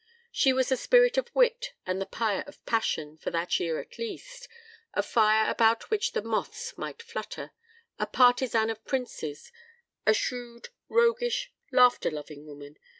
She was the Spirit of Wit and the Pyre of Passion for that year at least; a fire about which the moths might flutter; a Partisan of Princes; a shrewd, roguish, laughter loving woman.